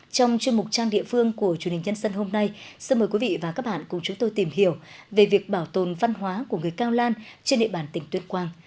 trong chuyên mục trang địa phương của truyền hình nhân dân hôm nay xin mời quý vị và các bạn cùng chúng tôi tìm hiểu về việc bảo tồn văn hóa của người cao lan trên địa bàn tỉnh tuyên quang